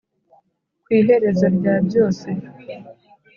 ku iherezo rya byose,